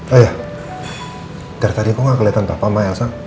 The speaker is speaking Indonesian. oh iya dari tadi kok gak keliatan papa ma elsa